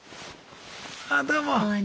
ああどうも。